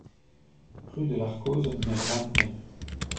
Rue de l'Arkose au numéro vingt-neuf